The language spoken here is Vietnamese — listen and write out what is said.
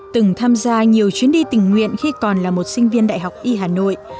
từng tham gia nhiều chuyến đi tình nguyện khi còn là một sinh viên đại học y hà nội